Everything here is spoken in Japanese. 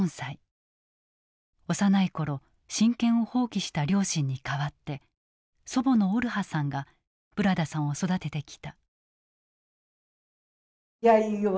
幼い頃親権を放棄した両親に代わって祖母のオルハさんがブラダさんを育ててきた。